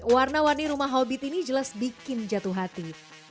warna warni rumah hobbit ini jelas bikin jatuh hati